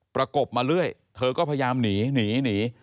ประกบมาเรื่อยเธอก็พยายามหนีหนี